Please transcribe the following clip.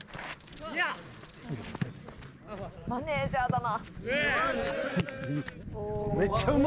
マネジャーだな。